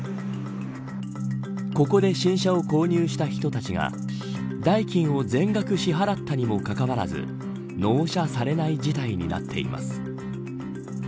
ここで新車を購入した人たちが代金を全額支払ったにもかかわらず納車されない事態になっています。